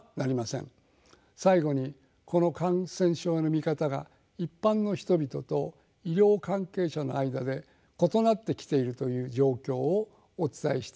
最後にこの感染症の見方が一般の人々と医療関係者の間で異なってきているという状況をお伝えしておきたいと思います。